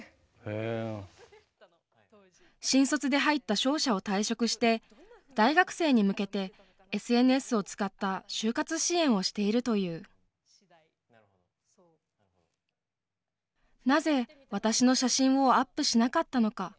新卒で入った商社を退職して大学生に向けてＳＮＳを使った就活支援をしているというなぜ私の写真をアップしなかったのか。